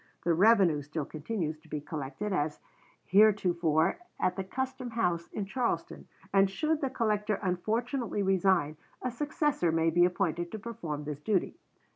The revenue still continues to be collected as heretofore at the custom house in Charleston, and should the collector unfortunately resign, a successor may be appointed to perform this duty."